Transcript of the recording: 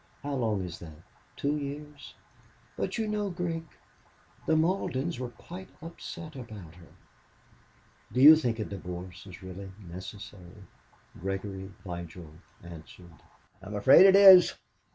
How long is that? Two years? But you know, Grig, the Maldens were quite upset about her. Do you think a divorce is really necessary?" Gregory Vigil answered: "I'm afraid it is."